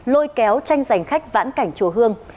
lôi kéo tranh giành khách vãn cảnh chùa hương